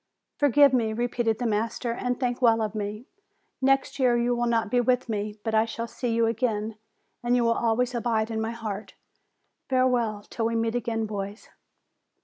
"Forgive me," repeated the master, "and think well of me. Next year you will not be with me; but I shall see you again, and you will always abide in my heart. Farewell until we meet again, boys